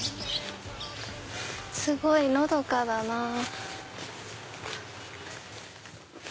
すごいのどかだなぁ。